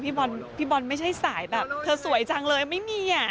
พี่บอลไม่ใช่สายแบบเธอสวยจังเลยไม่มีอ่ะ